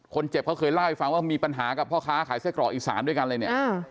คนเจ็บเขาเคยเล่าให้ฟังว่ามีปัญหากับพ่อค้าขายไส้กรอกอีสานด้วยกันเลยเนี่ย